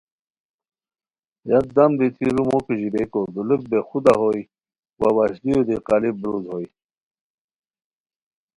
یکدم دیتی رومو کیژیبئیکو دولوک بے خودہ ہوئے وا وشلیو دی قالیپ بُروز ہوئے